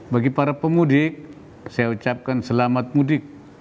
bagi para pemudik saya ucapkan selamat mudik